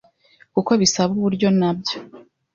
kuko bisaba uburyo nabyo